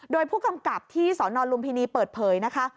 โดยผู้กำกับที่สนลุมพินีเปิดเผยนะคะ